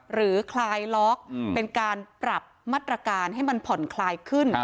คลายล็อกเป็นการปรับมาตรการให้มันผ่อนคลายขึ้น